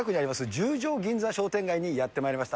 十条銀座商店街にやってまいりました。